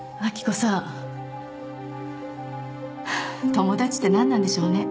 友達って何なんでしょうね。